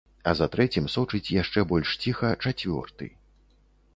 А за трэцім сочыць яшчэ больш ціха чацвёрты.